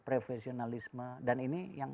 professionalisme dan ini yang